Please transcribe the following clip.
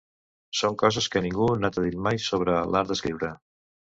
Són coses que ningú no t’ha dit mai sobre l’art d’escriure.